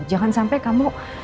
jangan sampai kamu